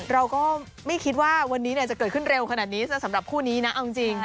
เราก็ไม่คิดว่าวันนี้จะเกิดขึ้นเร็วขนาดนี้สำหรับคู่นี้นะเอาจริง